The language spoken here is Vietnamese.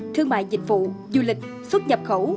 thương mại dịch vụ du lịch xuất nhập khẩu